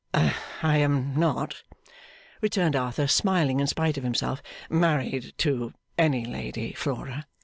'I am not,' returned Arthur, smiling in spite of himself, 'married to any lady, Flora.